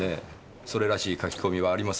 それらしいカキコミはありません。